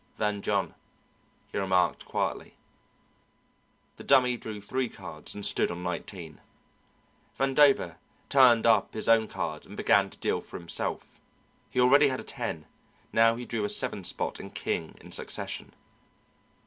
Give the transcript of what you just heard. "Van John," he remarked quietly. The Dummy drew three cards and stood on nineteen. Vandover turned up his own card and began to deal for himself. He already had a ten; now he drew a seven spot and king in succession.